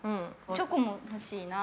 チョコも欲しいな。